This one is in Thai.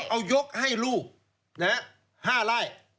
เอายกให้ลูก๕ไร่